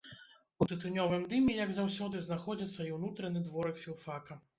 У тытунёвым дыме, як заўсёды, знаходзіцца і ўнутраны дворык філфака.